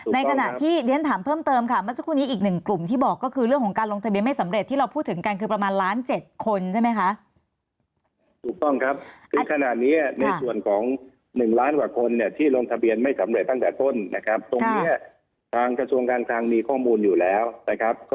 ในขณะที่เรียนถามเพิ่มเติมค่ะเมื่อสักครู่นี้อีก๑กลุ่ม